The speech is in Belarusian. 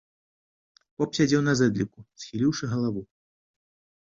Поп сядзеў на зэдліку, схіліўшы галаву.